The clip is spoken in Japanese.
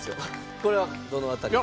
これはどの辺りが？